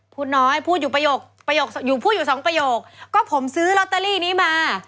พูดน้อยพูดอยู่๒ประโยคก็ผมซื้อลอตเตอรี่นี้มา